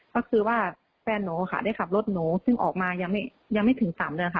ก็คือว่าแฟนหนูค่ะได้ขับรถหนูซึ่งออกมายังไม่ถึง๓เดือนค่ะ